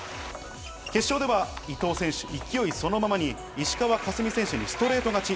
決勝では伊藤選手、勢いそのままに石川佳純選手にストレート勝ち。